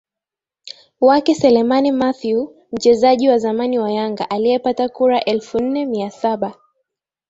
wake Selemani Mathew mchezaji wa zamani wa Yanga aliyepata kura elfu nne mia saba